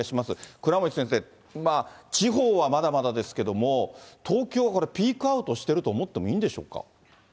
倉持先生、地方はまだまだですけれども、東京、これ、ピークアウトしていると思ってもいいんでしょうか。